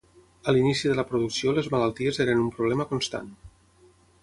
A l'inici de la producció les malalties eren un problema constant.